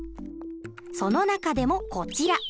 その中でもこちら。